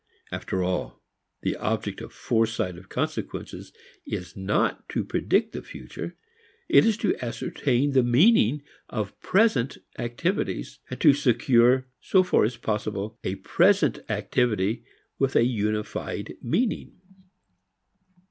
After all, the object of foresight of consequences is not to predict the future. It is to ascertain the meaning of present activities and to secure, so far as possible, a present activity with a unified meaning.